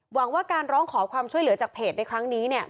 หวังว่าการร้องขอความช่วยเหลือจากเพจในครั้งนี้เนี่ย